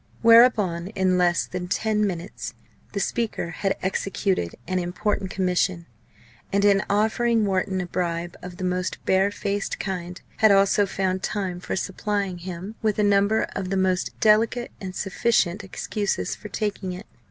Whereupon, in less than ten minutes, the speaker had executed an important commission, and, in offering Wharton a bribe of the most bare faced kind, had also found time for supplying him with a number of the most delicate and sufficient excuses for taking it.